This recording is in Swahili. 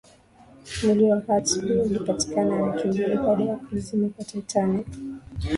mwili wa hartley ulipatikana wiki mbili baada ya kuzama kwa titanic